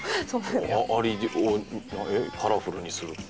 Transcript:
アリをカラフルにするって。